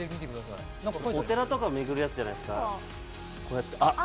お寺とか巡るやつじゃないですか？